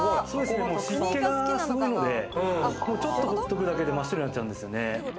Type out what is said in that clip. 湿気がすごいのでちょっとほっとくだけで真っ白になっちゃうんですよね。